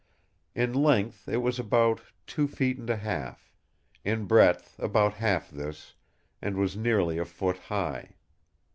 In length it was about two feet and a half; in breadth about half this, and was nearly a foot high.